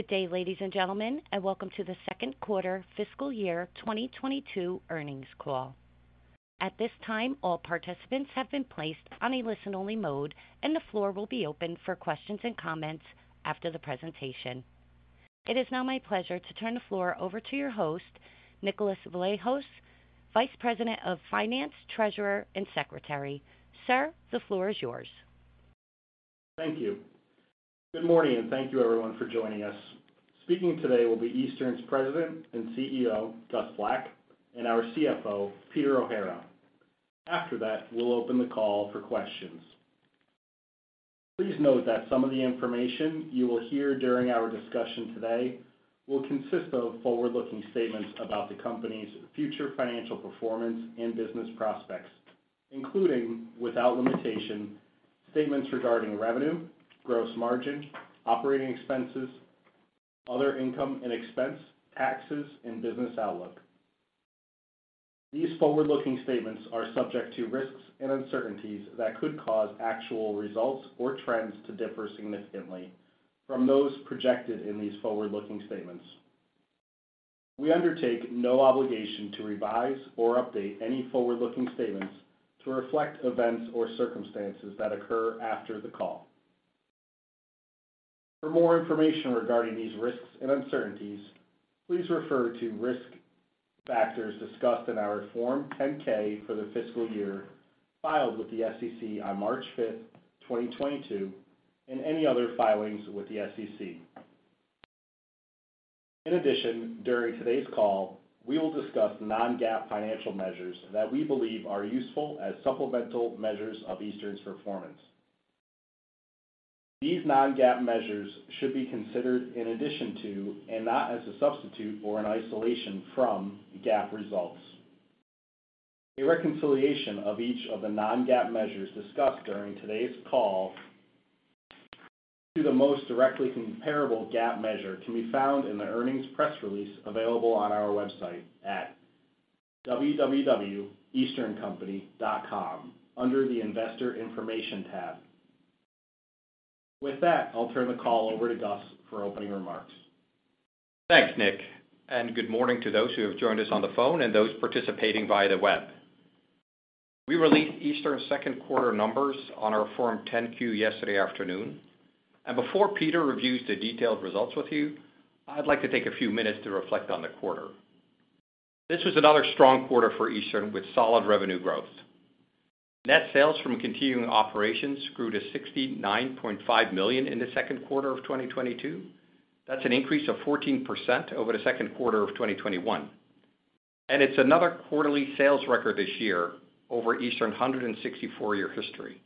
Good day, ladies and gentlemen, and welcome to the Second Quarter Fiscal Year 2022 Earnings Call. At this time, all participants have been placed on a listen-only mode, and the floor will be open for questions and comments after the presentation. It is now my pleasure to turn the floor over to your host, Nicholas Vlahos, Vice President of Finance, Treasurer, and Secretary. Sir, the floor is yours. Thank you. Good morning, and thank you everyone for joining us. Speaking today will be Eastern's President and CEO, Gus Vlak, and our CFO, Peter O'Hara. After that, we'll open the call for questions. Please note that some of the information you will hear during our discussion today will consist of forward-looking statements about the company's future financial performance and business prospects, including, without limitation, statements regarding revenue, gross margin, operating expenses, other income and expense, taxes, and business outlook. These forward-looking statements are subject to risks and uncertainties that could cause actual results or trends to differ significantly from those projected in these forward-looking statements. We undertake no obligation to revise or update any forward-looking statements to reflect events or circumstances that occur after the call. For more information regarding these risks and uncertainties, please refer to risk factors discussed in our Form 10-K for the fiscal year filed with the SEC on March 5th, 2022, and any other filings with the SEC. In addition, during today's call, we will discuss non-GAAP financial measures that we believe are useful as supplemental measures of Eastern's performance. These non-GAAP measures should be considered in addition to, and not as a substitute or in isolation from, GAAP results. A reconciliation of each of the non-GAAP measures discussed during today's call to the most directly comparable GAAP measure can be found in the earnings press release available on our website at www.easterncompany.com under the Investor Information tab. With that, I'll turn the call over to Gus for opening remarks. Thanks, Nick, and good morning to those who have joined us on the phone and those participating via the web. We released Eastern's second quarter numbers on our Form 10-Q yesterday afternoon. Before Peter reviews the detailed results with you, I'd like to take a few minutes to reflect on the quarter. This was another strong quarter for Eastern with solid revenue growth. Net sales from continuing operations grew to $69.5 million in the second quarter of 2022. That's an increase of 14% over the second quarter of 2021. It's another quarterly sales record this year over Eastern's 164-year history.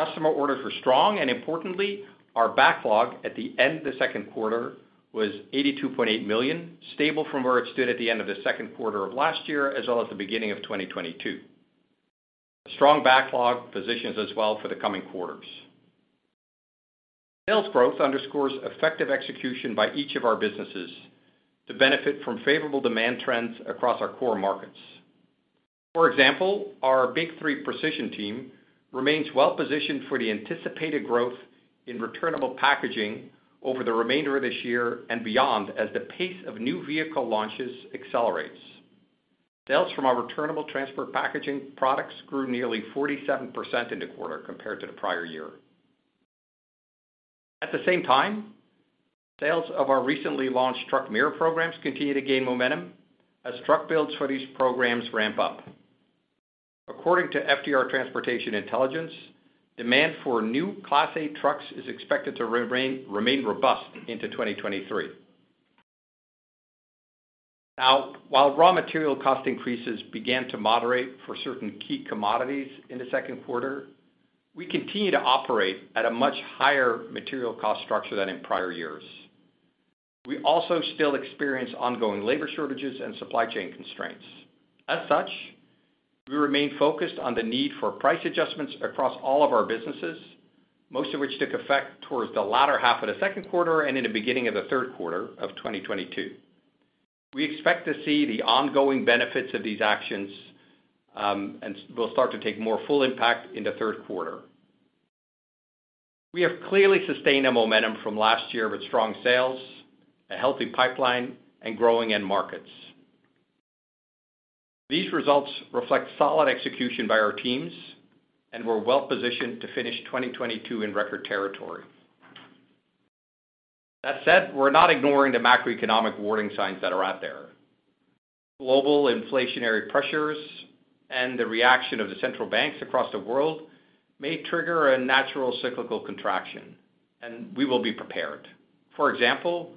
Customer orders were strong, and importantly, our backlog at the end of the second quarter was $82.8 million, stable from where it stood at the end of the second quarter of last year, as well as the beginning of 2022. A strong backlog positions us well for the coming quarters. Sales growth underscores effective execution by each of our businesses to benefit from favorable demand trends across our core markets. For example, our Big 3 Precision team remains well-positioned for the anticipated growth in returnable packaging over the remainder of this year and beyond as the pace of new vehicle launches accelerates. Sales from our returnable transport packaging products grew nearly 47% in the quarter compared to the prior year. At the same time, sales of our recently launched truck mirror programs continue to gain momentum as truck builds for these programs ramp up. According to FTR Transportation Intelligence, demand for new Class 8 trucks is expected to remain robust into 2023. Now, while raw material cost increases began to moderate for certain key commodities in the second quarter, we continue to operate at a much higher material cost structure than in prior years. We also still experience ongoing labor shortages and supply chain constraints. As such, we remain focused on the need for price adjustments across all of our businesses, most of which took effect towards the latter half of the second quarter and in the beginning of the third quarter of 2022. We expect to see the ongoing benefits of these actions and will start to take more full impact in the third quarter. We have clearly sustained a momentum from last year with strong sales, a healthy pipeline, and growing end markets. These results reflect solid execution by our teams, and we're well-positioned to finish 2022 in record territory. That said, we're not ignoring the macroeconomic warning signs that are out there. Global inflationary pressures and the reaction of the central banks across the world may trigger a natural cyclical contraction, and we will be prepared. For example,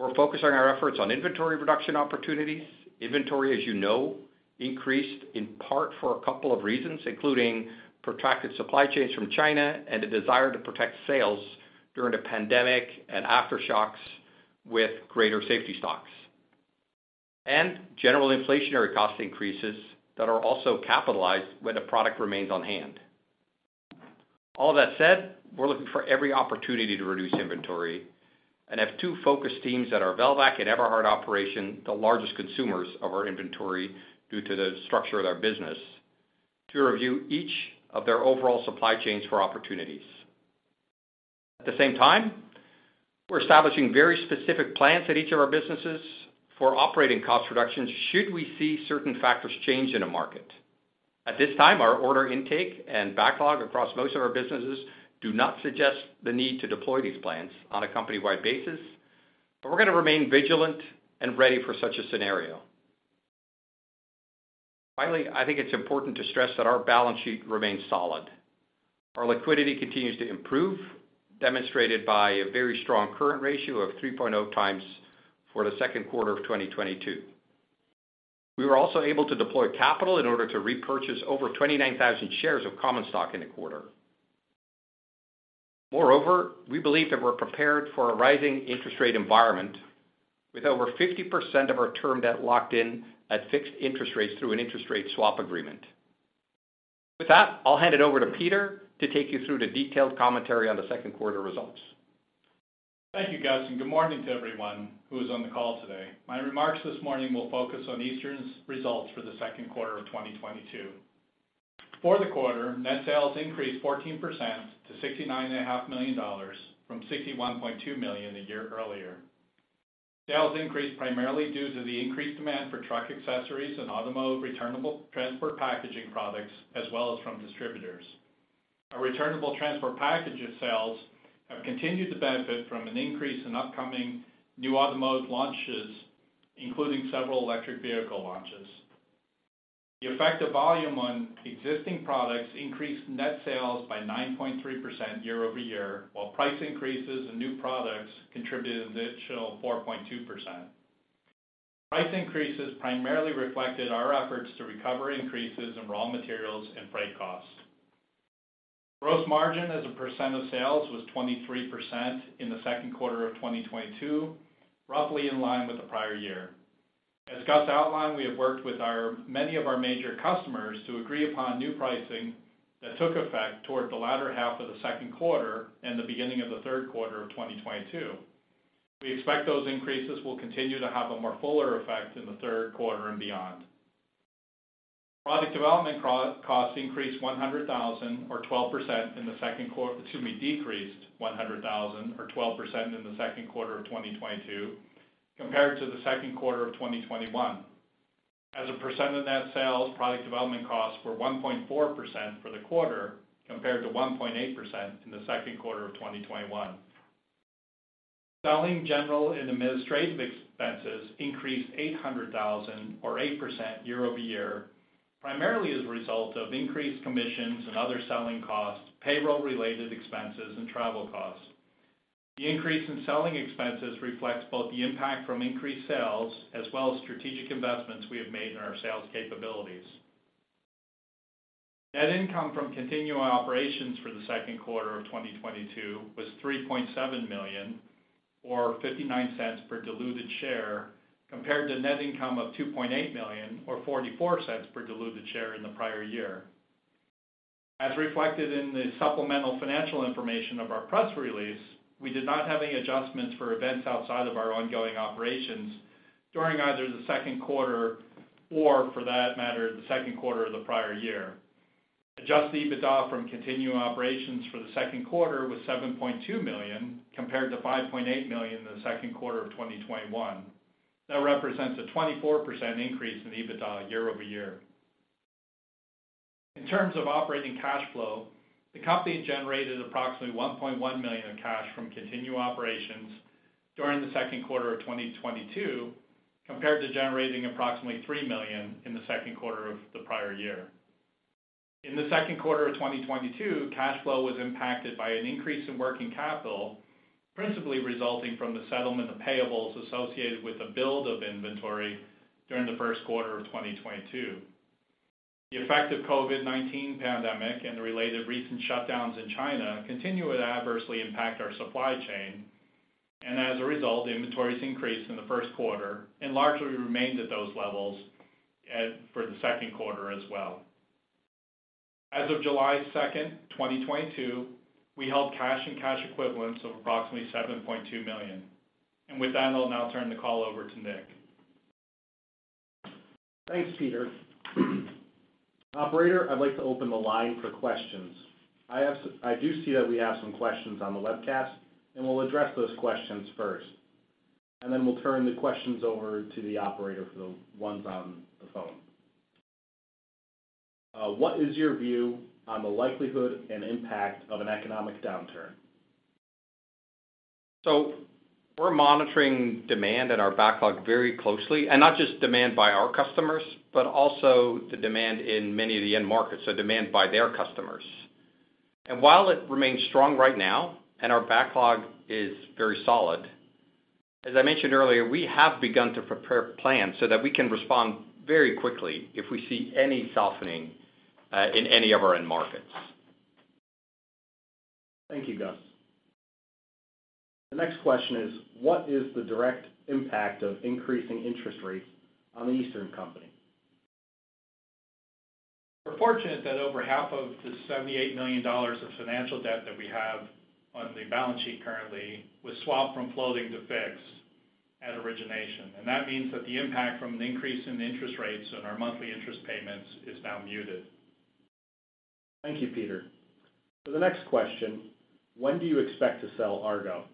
we're focusing our efforts on inventory reduction opportunities. Inventory, as you know, increased in part for a couple of reasons, including protracted supply chains from China and the desire to protect sales during the pandemic and aftershocks with greater safety stocks. General inflationary cost increases that are also capitalized when the product remains on hand. All that said, we're looking for every opportunity to reduce inventory and have two focus teams at our Velvac and Eberhard operation, the largest consumers of our inventory due to the structure of their business. To review each of their overall supply chains for opportunities. At the same time, we're establishing very specific plans at each of our businesses for operating cost reductions should we see certain factors change in a market. At this time, our order intake and backlog across most of our businesses do not suggest the need to deploy these plans on a company-wide basis, but we're gonna remain vigilant and ready for such a scenario. Finally, I think it's important to stress that our balance sheet remains solid. Our liquidity continues to improve, demonstrated by a very strong current ratio of 3.0 times for the second quarter of 2022. We were also able to deploy capital in order to repurchase over 29,000 shares of common stock in the quarter. Moreover, we believe that we're prepared for a rising interest rate environment with over 50% of our term debt locked in at fixed interest rates through an interest rate swap agreement. With that, I'll hand it over to Peter to take you through the detailed commentary on the second quarter results. Thank you, Gus, and good morning to everyone who is on the call today. My remarks this morning will focus on Eastern's results for the second quarter of 2022. For the quarter, net sales increased 14% to $69.5 million from $61.2 million a year earlier. Sales increased primarily due to the increased demand for truck accessories and automotive returnable transport packaging products, as well as from distributors. Our returnable transport packages sales have continued to benefit from an increase in upcoming new automotive launches, including several electric vehicle launches. The effect of volume on existing products increased net sales by 9.3% year-over-year, while price increases in new products contributed an additional 4.2%. Price increases primarily reflected our efforts to recover increases in raw materials and freight costs. Gross margin as a percent of sales was 23% in the second quarter of 2022, roughly in line with the prior year. As Gus outlined, we have worked with many of our major customers to agree upon new pricing that took effect toward the latter half of the second quarter and the beginning of the third quarter of 2022. We expect those increases will continue to have a more fuller effect in the third quarter and beyond. Product development costs decreased $100,000 or 12% in the second quarter of 2022 compared to the second quarter of 2021. As a percent of net sales, product development costs were 1.4% for the quarter, compared to 1.8% in the second quarter of 2021. Selling, general, and administrative expenses increased $800,000 or 8% year-over-year, primarily as a result of increased commissions and other selling costs, payroll-related expenses, and travel costs. The increase in selling expenses reflects both the impact from increased sales as well as strategic investments we have made in our sales capabilities. Net income from continuing operations for the second quarter of 2022 was $3.7 million or $0.59 per diluted share, compared to net income of $2.8 million or $0.44 per diluted share in the prior year. As reflected in the supplemental financial information of our press release, we did not have any adjustments for events outside of our ongoing operations during either the second quarter or, for that matter, the second quarter of the prior year. Adjusted EBITDA from continuing operations for the second quarter was $7.2 million, compared to $5.8 million in the second quarter of 2021. That represents a 24% increase in EBITDA year-over-year. In terms of operating cash flow, the company generated approximately $1.1 million in cash from continuing operations during the second quarter of 2022, compared to generating approximately $3 million in the second quarter of the prior year. In the second quarter of 2022, cash flow was impacted by an increase in working capital, principally resulting from the settlement of payables associated with the build of inventory during the first quarter of 2022. The effect of COVID-19 pandemic and the related recent shutdowns in China continue to adversely impact our supply chain. As a result, inventories increased in the first quarter and largely remained at those levels for the second quarter as well. As of July 2nd, 2022, we held cash and cash equivalents of approximately $7.2 million. With that, I'll now turn the call over to Nick. Thanks, Peter. Operator, I'd like to open the line for questions. I do see that we have some questions on the webcast, and we'll address those questions first, and then we'll turn the questions over to the operator for the ones on the phone. What is your view on the likelihood and impact of an economic downturn? We're monitoring demand in our backlog very closely, and not just demand by our customers, but also the demand in many of the end markets, so demand by their customers. While it remains strong right now, and our backlog is very solid, as I mentioned earlier, we have begun to prepare plans so that we can respond very quickly if we see any softening in any of our end markets. Thank you, Gus. The next question is, what is the direct impact of increasing interest rates on the Eastern Company? We're fortunate that over half of the $78 million of financial debt that we have on the balance sheet currently was swapped from floating to fixed at origination. That means that the impact from an increase in interest rates on our monthly interest payments is now muted. Thank you, Peter. The next question, when do you expect to sell Argo?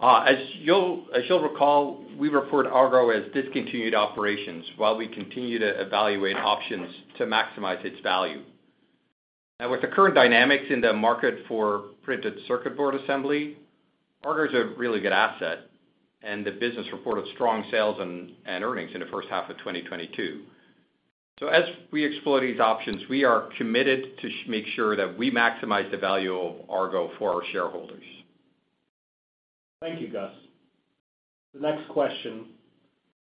As you'll recall, we report Argo as discontinued operations while we continue to evaluate options to maximize its value. Now, with the current dynamics in the market for printed circuit board assembly, Argo is a really good asset, and the business reported strong sales and earnings in the first half of 2022. As we explore these options, we are committed to make sure that we maximize the value of Argo for our shareholders. Thank you, Gus. The next question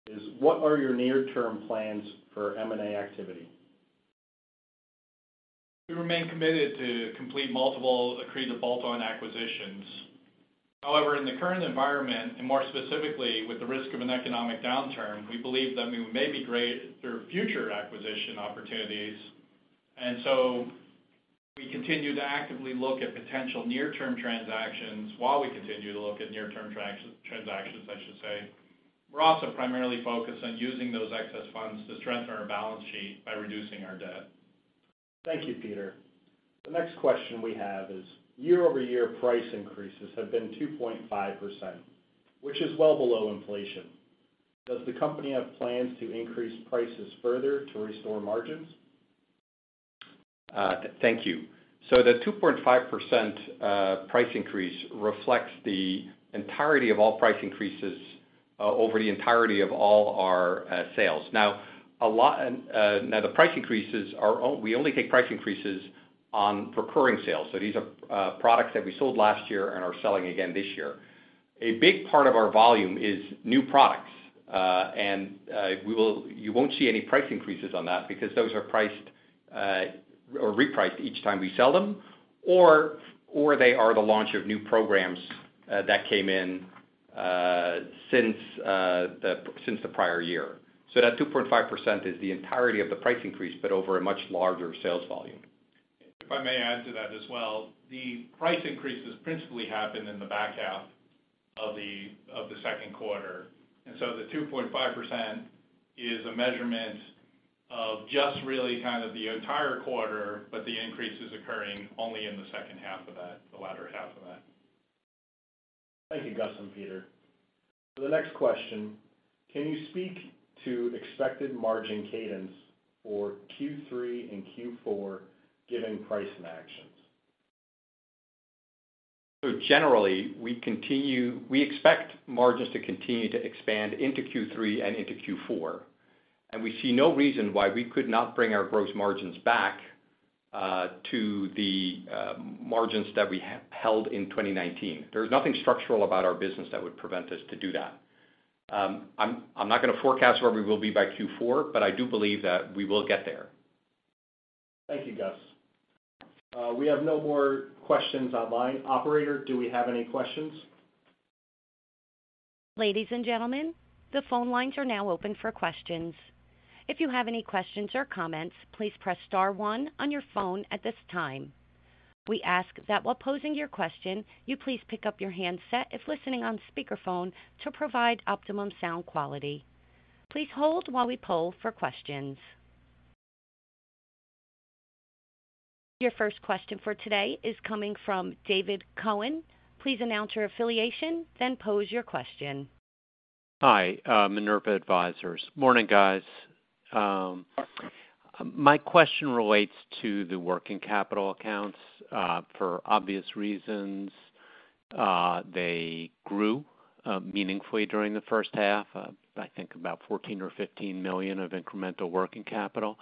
is, what are your near-term plans for M&A activity? We remain committed to complete multiple accretive bolt-on acquisitions. However, in the current environment, and more specifically with the risk of an economic downturn, we believe that we may be great through future acquisition opportunities. We continue to actively look at potential near-term transactions while we continue to look at near-term transactions, I should say. We're also primarily focused on using those excess funds to strengthen our balance sheet by reducing our debt. Thank you, Peter. The next question we have is, year-over-year price increases have been 2.5%, which is well below inflation. Does the company have plans to increase prices further to restore margins? Thank you. The 2.5% price increase reflects the entirety of all price increases over the entirety of all our sales. We only take price increases on recurring sales. These are products that we sold last year and are selling again this year. A big part of our volume is new products and you won't see any price increases on that because those are priced or repriced each time we sell them, or they are the launch of new programs that came in since the prior year. That 2.5% is the entirety of the price increase, but over a much larger sales volume. If I may add to that as well, the price increases principally happen in the back half of the second quarter. The 2.5% is a measurement of just really kind of the entire quarter, but the increase is occurring only in the second half of that, the latter half of that. Thank you, Gus and Peter. The next question, can you speak to expected margin cadence for Q3 and Q4 given pricing actions? Generally, we continue. We expect margins to continue to expand into Q3 and into Q4, and we see no reason why we could not bring our gross margins back to the margins that we held in 2019. There's nothing structural about our business that would prevent us to do that. I'm not gonna forecast where we will be by Q4, but I do believe that we will get there. Thank you, Gus. We have no more questions online. Operator, do we have any questions? Ladies and gentlemen, the phone lines are now open for questions. If you have any questions or comments, please press star one on your phone at this time. We ask that while posing your question, you please pick up your handset if listening on speakerphone to provide optimum sound quality. Please hold while we poll for questions. Your first question for today is coming from David Cohen. Please announce your affiliation, then pose your question. Hi, Minerva Advisors. Morning, guys. My question relates to the working capital accounts, for obvious reasons. They grew meaningfully during the first half, I think about $14 million or $15 million of incremental working capital.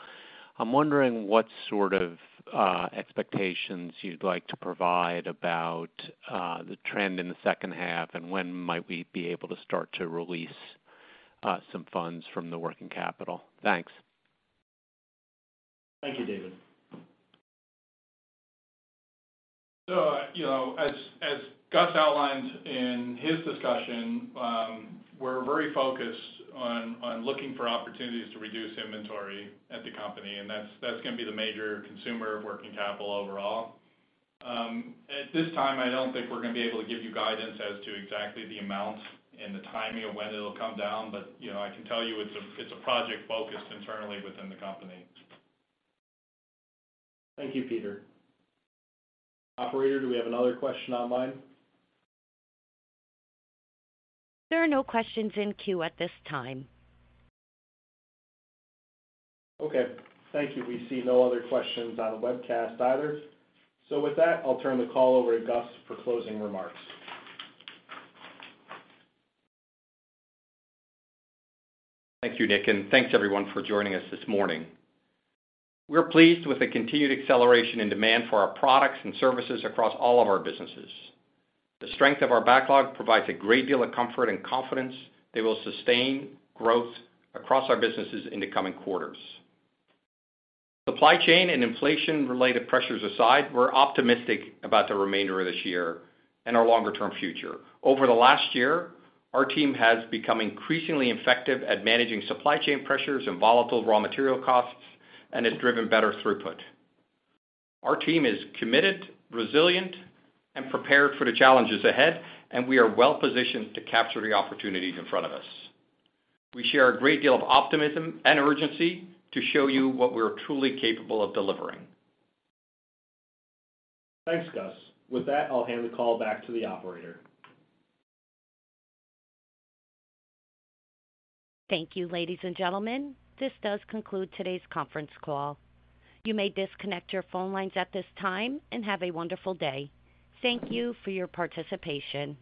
I'm wondering what sort of expectations you'd like to provide about the trend in the second half and when might we be able to start to release some funds from the working capital. Thanks. Thank you, David. You know, as Gus outlined in his discussion, we're very focused on looking for opportunities to reduce inventory at the company, and that's gonna be the major consumer working capital overall. At this time, I don't think we're gonna be able to give you guidance as to exactly the amount and the timing of when it'll come down. You know, I can tell you it's a project focused internally within the company. Thank you, Peter. Operator, do we have another question online? There are no questions in queue at this time. Okay. Thank you. We see no other questions on the webcast either. With that, I'll turn the call over to Gus for closing remarks. Thank you, Nick. Thanks everyone for joining us this morning. We're pleased with the continued acceleration and demand for our products and services across all of our businesses. The strength of our backlog provides a great deal of comfort and confidence that will sustain growth across our businesses in the coming quarters. Supply chain and inflation-related pressures aside, we're optimistic about the remainder of this year and our longer-term future. Over the last year, our team has become increasingly effective at managing supply chain pressures and volatile raw material costs and has driven better throughput. Our team is committed, resilient, and prepared for the challenges ahead, and we are well-positioned to capture the opportunities in front of us. We share a great deal of optimism and urgency to show you what we're truly capable of delivering. Thanks, Gus. With that, I'll hand the call back to the operator. Thank you, ladies and gentlemen. This does conclude today's conference call. You may disconnect your phone lines at this time, and have a wonderful day. Thank you for your participation.